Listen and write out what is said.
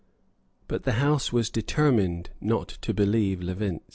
But the House was determined not to believe Levinz.